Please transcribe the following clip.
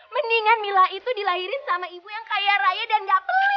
mendingan mila itu dilahirin sama ibu yang kaya raya dan gak pelit kayak ibu